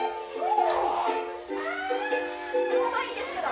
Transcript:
遅いんですけど。